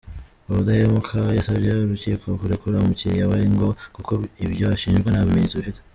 Udahemuka yasabye urukiko kurekura umukiriya we ngo kuko ibyo ashinjwa nta bimenyetso bifite.